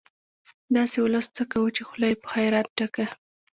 داسې ولس څه کوو، چې خوله يې په خيرات ډکه